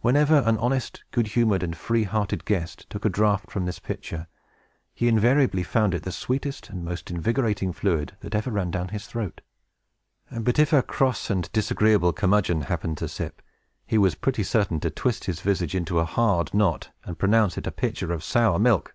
Whenever an honest, good humored, and free hearted guest took a draught from this pitcher, he invariably found it the sweetest and most invigorating fluid that ever ran down his throat. But, if a cross and disagreeable curmudgeon happened to sip, he was pretty certain to twist his visage into a hard knot, and pronounce it a pitcher of sour milk!